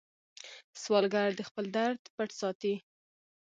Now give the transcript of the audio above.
سوالګر د خپل درد پټ ساتي